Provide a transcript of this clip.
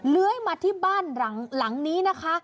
เลื้อยมาที่บ้านหลังนี้นะคะ